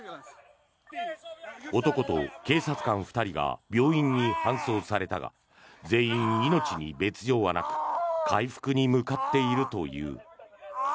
男と警察官２人が病院に搬送されたが全員、命に別条はなく回復に向かっているという。